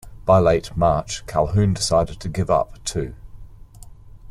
By late March Calhoun decided to give up, too.